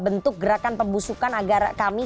bentuk gerakan pembusukan agar kami